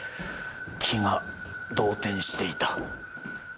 気が動転していた。